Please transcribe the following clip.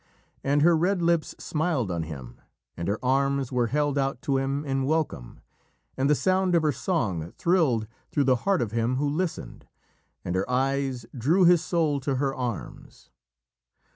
And her red lips smiled on him and her arms were held out to him in welcome, and the sound of her song thrilled through the heart of him who listened, and her eyes drew his soul to her arms.